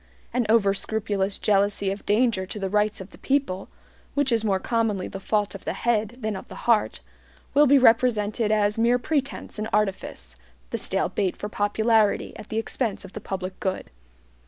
An over scrupulous jealousy of danger to the rights of the people, which is more commonly the fault of the head than of the heart, will be represented as mere pretense and artifice, the stale bait for popularity at the expense of the public good.